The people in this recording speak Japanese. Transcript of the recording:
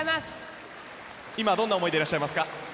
今どんな思いでいらっしゃいますか？